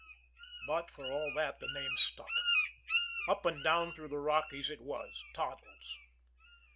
But, for all that, the name stuck. Up and down through the Rockies it was Toddles.